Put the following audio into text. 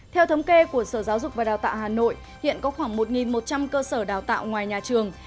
theo thống kê của sở giáo dục và đào tạo hà nội hiện có khoảng một một trăm linh cơ sở đào tạo ngoài nhà trường